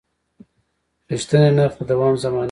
رښتیني نرخ د دوام ضمانت دی.